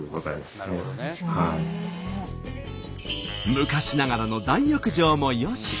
昔ながらの大浴場もよし。